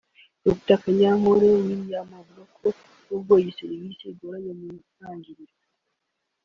Dr Kanyankore William avuga ko n’ubwo iyi systeme igoranye mu ntangiriro